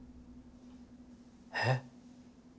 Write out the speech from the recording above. えっ？